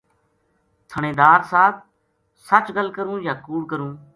تھہانیدار صاحب ! سچ گل کروں یا کوڑ کروں